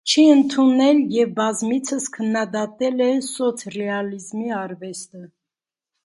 Չի ընդունել և բազմիցս քննադատել է սոցռեալիզմի արվեստը։